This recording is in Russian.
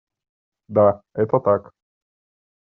Да, это так.